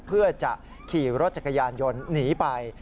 เพื่อจะขี่รถจักรยานยนต์หนีไป